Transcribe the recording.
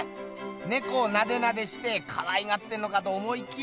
ねこをナデナデしてかわいがってんのかと思いきや。